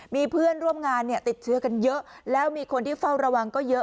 มีเพื่อนร่วมงานเนี่ยติดเชื้อกันเยอะแล้วมีคนที่เฝ้าระวังก็เยอะ